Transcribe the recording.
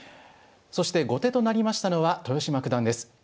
そして後手となりましたのは豊島九段です。